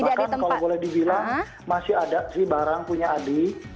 bahkan kalau boleh dibilang masih ada sih barang punya adik